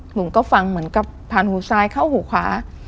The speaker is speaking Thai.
หนูก็ฟังเหมือนกับผ่านหูซ้ายเข้าหูขวา